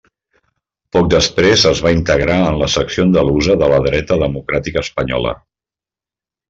Poc després es va integrar en la secció andalusa de la Dreta Democràtica Espanyola.